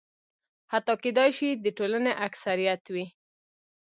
حتی کېدای شي د ټولنې اکثریت وي.